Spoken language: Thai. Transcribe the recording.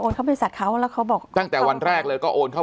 เขาบริษัทเขาแล้วเขาบอกตั้งแต่วันแรกเลยก็โอนเข้า